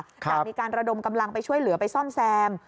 แต่มีการระดมกำลังไปช่วยเหลือไปซ่อมแซม